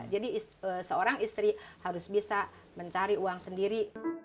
jadi seorang istri harus bisa mencari uang sendiri